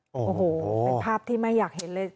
โอ้โหเป็นภาพที่ไม่อยากเห็นเลย